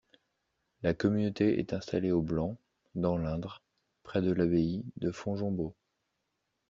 La communauté est installée au Blanc, dans l'Indre, près de l'abbaye de Fontgombault.